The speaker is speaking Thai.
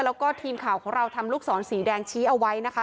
แล้วก็ทีมข่าวของเราทำลูกศรสีแดงชี้เอาไว้นะคะ